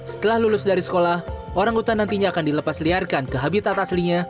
setelah lulus dari sekolah orang utan nantinya akan dilepas liarkan ke habitat aslinya